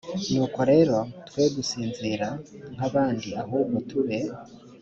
nuko rero twe gusinzira nk abandi ahubwo tube